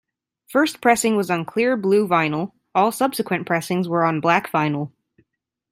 First pressing was on clear blue vinyl; all subsequent pressings were on black vinyl.